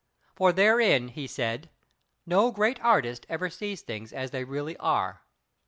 For therein he said: "No great artist ever sees things as they really are."